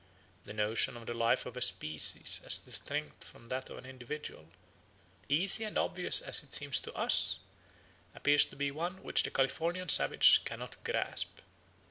The notion of the life of a species as distinct from that of an individual, easy and obvious as it seems to us, appears to be one which the Californian savage cannot grasp.